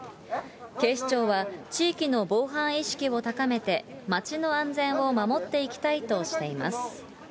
警視庁は、地域の防犯意識を高めて、街の安全を守っていきたいとしています。